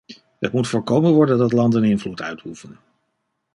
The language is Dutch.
Het moet voorkomen worden dat landen invloed uitoefenen.